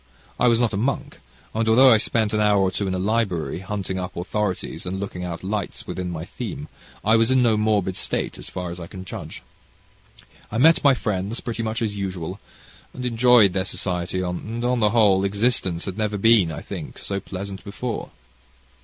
I was not a monk, and, although I spent an hour or two in a library, hunting up authorities and looking out lights upon my theme, I was in no morbid state as far as I can judge. I met my friends pretty much as usual and enjoyed their society, and, on the whole, existence had never been, I think, so pleasant before.